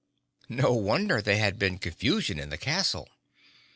No wonder there had been confusion in the castle!